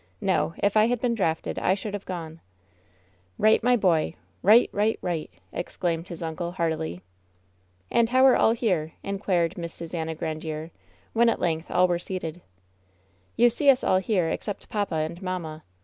No, if I had been drafted I should have gone." VSTHEN SHADOWS DIE IJW "Eight, my boy 1 Right 1 Right 1 Right 1" exdaimed his uncle, heartily. "And how are all here?'' inquired Miss Susannah Grandiere, when at length all were seated. "You see us all here except papa and mamma.